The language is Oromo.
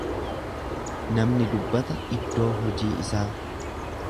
Namni dubbata iddoo hojii isaa.